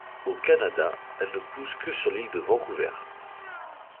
Au Canada, elle ne pousse que sur l'île de Vancouver.